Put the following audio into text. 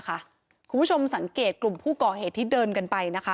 คุณผู้ชมสังเกตกลุ่มผู้ก่อเหตุที่เดินกันไปนะคะ